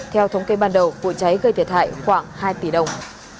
theo thống kê ban đầu vụ cháy gây thiệt hại khoảng hai tỷ đồng